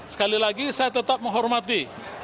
sekali lagi saya tetap menghormati